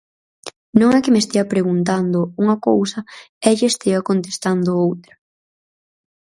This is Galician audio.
Non é que me estea preguntando unha cousa e lle estea contestando outra.